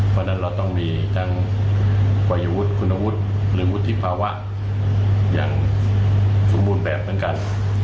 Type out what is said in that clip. เพราะฉะนั้นเราต้องมีทั้งวัยวุฒิคุณวุฒิหรือวุฒิภาวะอย่างสมบูรณ์แบบเหมือนกัน